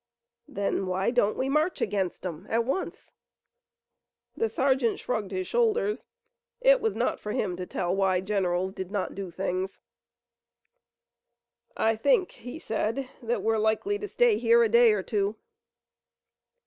"Then why don't we march against 'em at once?" The sergeant shrugged his shoulders. It was not for him to tell why generals did not do things. "I think," he said, "that we're likely to stay here a day or two."